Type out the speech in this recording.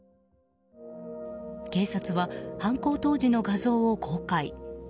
警察は犯行当時の画像を公開。